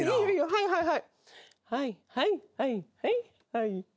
「はいはいはいはいはい」